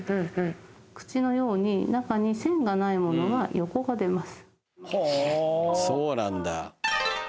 口のように中に線がないものは横が出ます